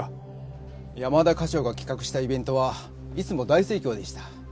山田課長が企画したイベントはいつも大盛況でした。